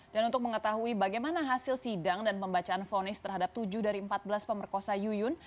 dan untuk mengetahui bagaimana hasil sidang dan pembacaan fonis terhadap tujuh dari empat belas pemerkosa yuyun